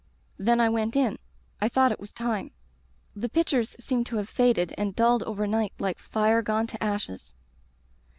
"Then I went in. I thought it was time. "The pictures seemed to have faded and dulled overnight like fire gone to ashes.